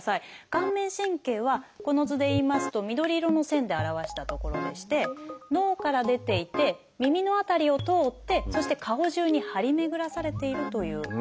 顔面神経はこの図でいいますと緑色の線で表した所でして脳から出ていて耳の辺りを通ってそして顔じゅうに張り巡らされているというものなんです。